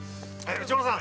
吉村さん。